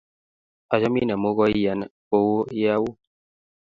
Achamin amun koiyanan kou ye au.